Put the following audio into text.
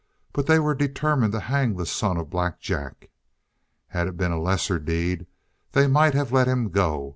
But they were determined to hang the son of Black Jack. Had it been a lesser deed, they might have let him go.